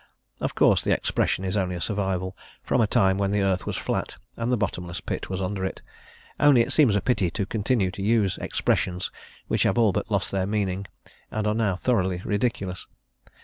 Of course, the expression is only a survival from a time when the earth was flat and the bottomless pit was under it, only it seems a Pity to continued to use expressions which have all but lost their meaning and are now thoroughly ridiculous.